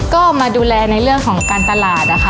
ก็มาดูแลในเรื่องของการตลาดนะคะ